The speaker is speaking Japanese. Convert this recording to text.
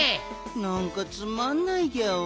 なんかつまんないギャオ。